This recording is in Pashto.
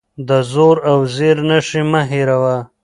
د زور او زېر نښې مه هېروه.